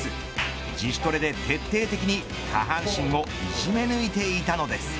自主トレで徹底的に下半身をいじめ抜いていたのです。